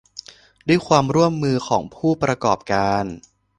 ด้วยความร่วมมือของผู้ประกอบการ